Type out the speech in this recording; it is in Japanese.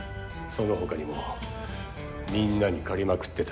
そのほかにもみんなに借りまくってた。